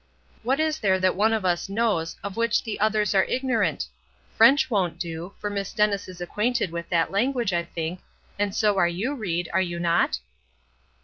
What is there that one of us knows, of which the others are ignorant? French won't do, for Miss Dennis is acquainted with that language, I think, and so are you, Ried, are you not?"